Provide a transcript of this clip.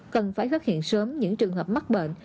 cần phải phát hiện sớm những trường hợp mắc bệnh